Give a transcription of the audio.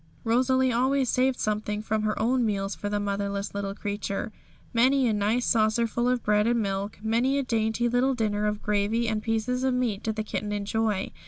Rosalie always saved something from her own meals for the motherless little creature; many a nice saucerful of bread and milk, many a dainty little dinner of gravy and pieces of meat did the kitten enjoy.